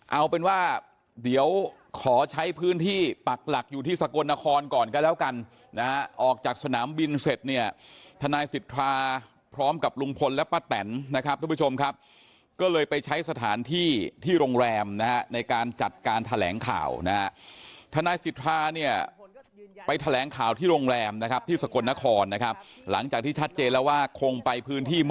เอาเป็นว่าเดี๋ยวขอใช้พื้นที่ปักหลักอยู่ที่สกลนครก่อนก็แล้วกันนะฮะออกจากสนามบินเสร็จเนี่ยทนายสิทธาพร้อมกับลุงพลและป้าแตนนะครับทุกผู้ชมครับก็เลยไปใช้สถานที่ที่โรงแรมนะฮะในการจัดการแถลงข่าวนะฮะทนายสิทธาเนี่ยไปแถลงข่าวที่โรงแรมนะครับที่สกลนครนะครับหลังจากที่ชัดเจนแล้วว่าคงไปพื้นที่ม